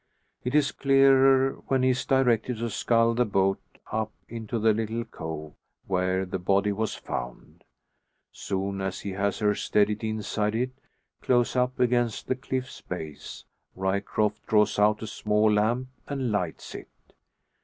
It is clearer when he is directed to scull the boat up into the little cove where the body was found. Soon as he has her steadied inside it, close up against the cliff's base, Ryecroft draws out a small lamp, and lights it.